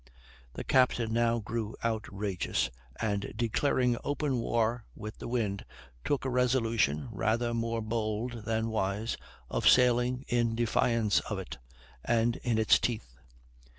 The captain now grew outrageous, and, declaring open war with the wind, took a resolution, rather more bold than wise, of sailing in defiance of it, and in its teeth.